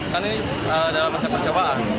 kan ini dalam masa percobaan